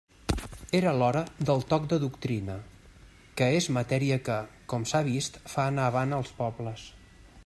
Era l'hora del toc de doctrina, que és matèria que, com s'ha vist, fa anar avant els pobles.